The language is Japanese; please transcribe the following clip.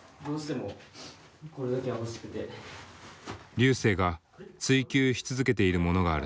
瑠星が追求し続けているものがある。